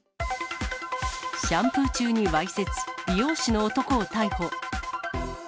シャンプー中にわいせつ、美容師の男を逮捕。